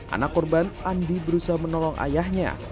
anak korban andi berusaha menolong ayahnya